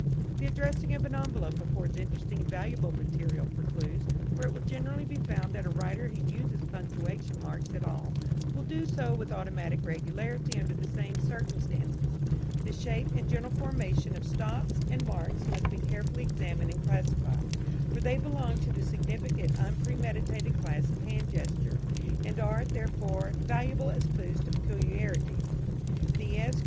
The addressing of an envelope affords interesting and valuable material for clues, for it will generally be found that a writer who uses punctuation marks at all will do so with automatic regularity under the same circumstances. The shape and general formation of stops and marks must be carefully examined and classified, for they belong to the significant unpremeditated class of hand gestures, and are, therefore, valuable as clues to peculiarities. The "Esq."